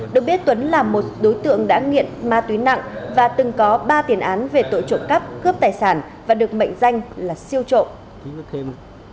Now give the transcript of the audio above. được biết tuấn là một đối tượng đã nghiện ma túy nặng và từng có ba tiền án về tội trộm cắp cướp tài sản và được mệnh danh là siêu trộm